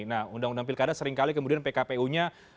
nah undang undang pilkada seringkali kemudian pkpu nya